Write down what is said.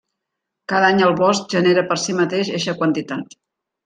Cada any el bosc genera per si mateix eixa quantitat.